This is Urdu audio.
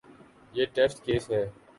یہ ٹیسٹ کیس ہے۔